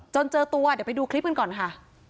เจอตัวเดี๋ยวไปดูคลิปกันก่อนค่ะ